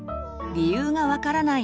理由が分からない